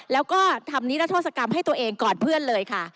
แล้วก็ทำนิรัทธศกรรมให้ตัวเองก่อนเพื่อนเลยค่ะ